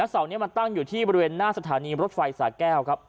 เสานี้มันตั้งอยู่ที่บริเวณหน้าสถานีรถไฟสาแก้วครับ